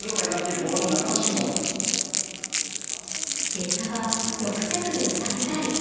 結果は６着で最下位。